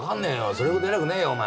それほど偉くねえよお前。